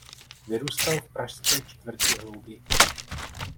Vyrůstal v pražské čtvrti Hloubětín.